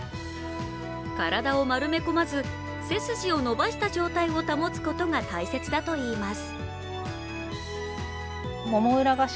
体を丸め込まず、背筋を伸ばした状態を保つことが大切だといいます。